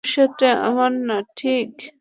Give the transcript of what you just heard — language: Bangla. সমস্যাটা আমার না, ঠিক?